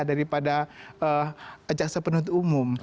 daripada jaksa penuntut umum